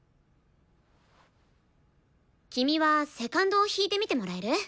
君はセカンドを弾いてみてもらえる？